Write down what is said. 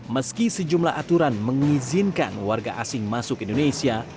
meski sejumlah aturan mengizinkan warga asing masuk indonesia